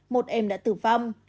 một em đã tử vong